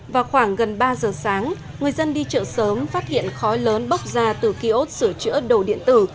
vào khoảng gần ba giờ sáng người dân đi chợ sớm phát hiện khói lớn bốc ra từ kiosk sửa chữa đồ điện tử